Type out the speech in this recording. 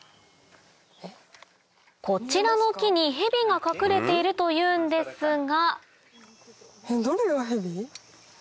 こちらの木にヘビが隠れているというんですがどれがヘビ？